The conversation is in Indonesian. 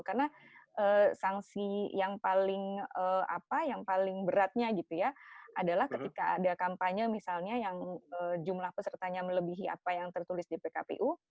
karena sanksi yang paling beratnya gitu ya adalah ketika ada kampanye misalnya yang jumlah pesertanya melebihi apa yang tertulis di pkpu